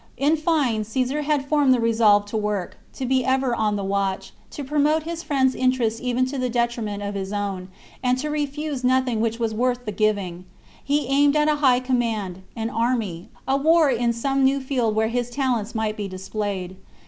In fine Caesar had formed the resolve to work, to be ever on the watch, to promote his friends* interest even to the detriment of his own, and to refuse nothing which was worth the giving. He aimed at a high command, an army, a war in some new field where his talents might be displayed.